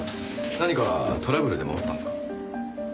何かトラブルでもあったんですか？